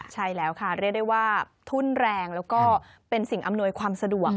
ใช่แล้วค่ะเรียกได้ว่าทุ่นแรงแล้วก็เป็นสิ่งอำนวยความสะดวก